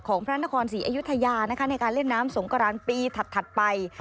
พระนครศรีอยุธยานะคะในการเล่นน้ำสงกรานปีถัดไป